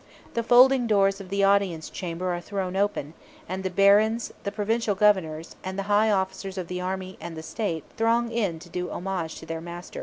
The folding doors of the audience chamber are thrown open, and the barons, the provincial governors, and the high officers of the army and the State throng in to do homage to their master.